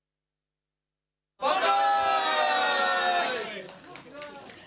万歳。